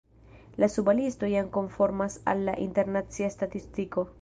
La suba listo jam konformas al la internacia statistiko.